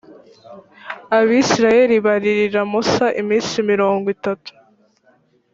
abayisraheli baririra musa iminsi mirongo itatu,